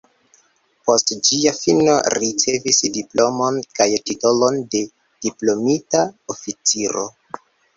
Post ĝia fino ricevis diplomon kaj titolon de diplomita oficiro.